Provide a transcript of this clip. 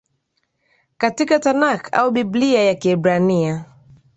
katika Tanakh au Biblia ya Kiebrania